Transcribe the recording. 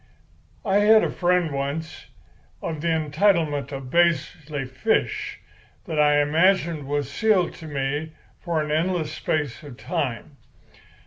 "I had a friend once, of the entitlement of Paisley Fish, that I imagined was sealed to me for an endless space of time.